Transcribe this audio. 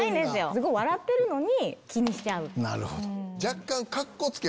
すごい笑ってるのに気にしちゃう。